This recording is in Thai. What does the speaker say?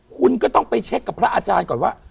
คุณก็ต้องไปเช็คกับพระอาจารย์ก่อนว่า